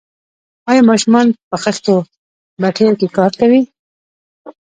آیا ماشومان په خښتو بټیو کې کار کوي؟